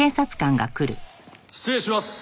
失礼します。